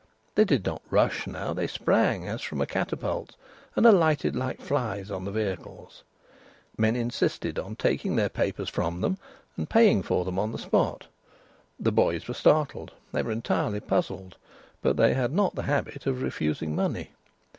They did not rush now; they sprang, as from a catapult; and alighted like flies on the vehicles. Men insisted on taking their papers from them and paying for them on the spot. The boys were startled; they were entirely puzzled; but they had not the habit of refusing money.